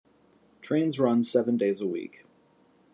Trains run seven days a week.